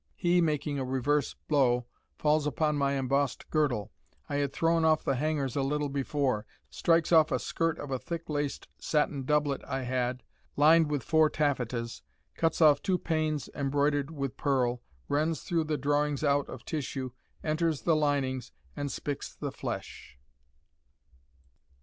He, making a reverse blow, falls upon my embossed girdle, I had thrown off the hangers a little before, strikes off a skirt of a thick laced satin doublet I had, lined with four taffetas, cuts off two panes embroidered with pearl, rends through the drawings out of tissue, enters the linings, and spiks the flesh.